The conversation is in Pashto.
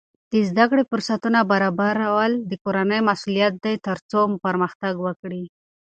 د زده کړې فرصتونه برابرول د کورنۍ مسؤلیت دی ترڅو پرمختګ وکړي.